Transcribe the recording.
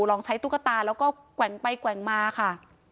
ลองใช้ตุ๊กตาแล้วก็แกว่งไปแกว่งมาค่ะ